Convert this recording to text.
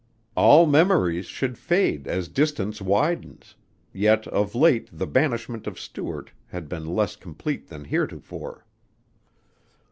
All memories should fade as distance widens, yet of late the banishment of Stuart had been less complete than heretofore.